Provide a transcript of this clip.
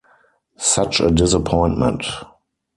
Such a disappointment!